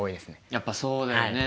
やっぱそうだよね。